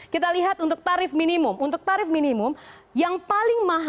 kita lihat untuk tarif minimum